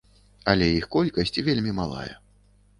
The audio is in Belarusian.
Але іх колькасць вельмі малая.